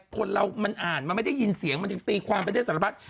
คนเรามันอ่านมันไม่ได้ยินเสียงมันยังตีความไปได้สารพัด